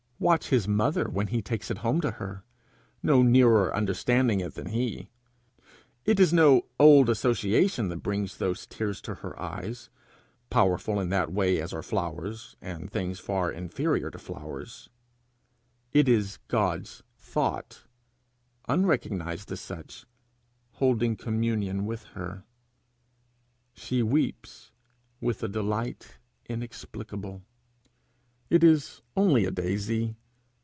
Watch his mother when he takes it home to her no nearer understanding it than he! It is no old association that brings those tears to her eyes, powerful in that way as are flowers, and things far inferior to flowers; it is God's thought, unrecognized as such, holding communion with her. She weeps with a delight inexplicable. It is only a daisy!